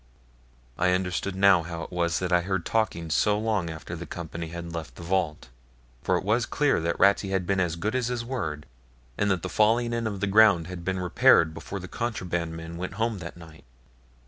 I understood now how it was that I had heard talking so long after the company had left the vault; for it was clear that Ratsey had been as good as his word, and that the falling in of the ground had been repaired before the contraband men went home that night.